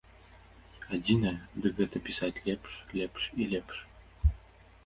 Адзінае, дык гэта пісаць лепш, лепш і лепш.